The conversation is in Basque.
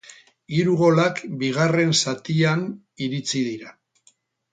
Hiru golak bigarren zatian iritsi dira.